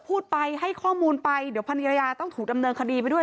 พูดไปให้ข้อมูลไปเดี๋ยวภรรยาต้องถูกดำเนินคดีไปด้วย